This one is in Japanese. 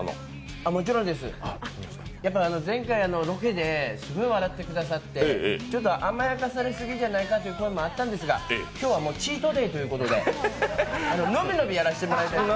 もちろんです、やっぱり前回、ロケですごい笑ってくださって甘やかされすぎじゃないかっていう声がありましたけども今日はチートデーということでのびのびやらせてもらいます。